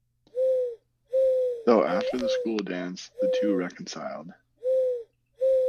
Though after the school dance the two reconciled.